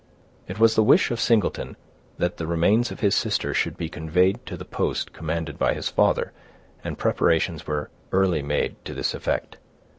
It was the wish of Singleton that the remains of his sister should be conveyed to the post commanded by his father, and preparations were early made to this effect.